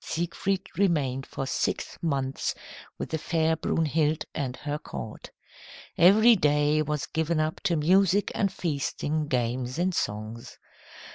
Siegfried remained for six months with the fair Brunhild and her court. Every day was given up to music and feasting, games and songs.